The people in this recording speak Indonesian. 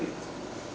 informasi di luar itu